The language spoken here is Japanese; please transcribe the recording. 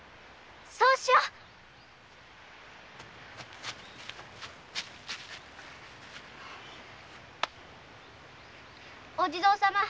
そうしよ！お地蔵様